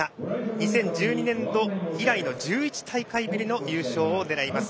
２０１２年度以来の１１大会ぶりの優勝を狙います。